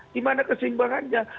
di mana keseimbangannya